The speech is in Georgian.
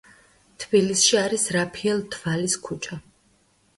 თბილისში არის რაფიელ დვალის ქუჩა.